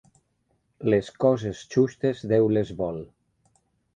Les coses justes Déu les vol.